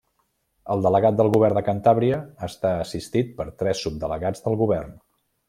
El delegat del Govern a Cantàbria està assistit per tres subdelegats del Govern.